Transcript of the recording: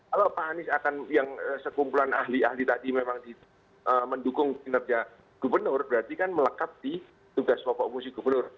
kalau pak anies akan yang sekumpulan ahli ahli tadi memang mendukung kinerja gubernur berarti kan melekat di tugas pokok fungsi gubernur